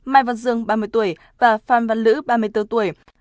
mai văn dương ba mươi tuổi và phan văn lữ ba mươi bốn tuổi